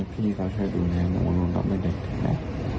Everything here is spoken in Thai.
พี่เขาช่วยดูแลหนูหนูก็ไม่เด็กเลย